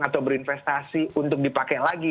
atau berinvestasi untuk dipakai lagi